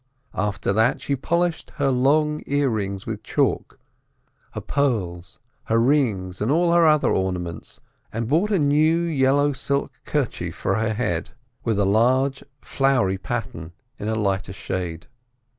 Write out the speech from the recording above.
After that she polished her long ear rings with chalk, her pearls, her rings, and all her other ornaments, and bought a new yellow silk kerchief for her head, with a large flowery pattern in a lighter shade.